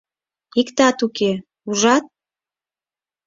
Иктат уке, ужат?..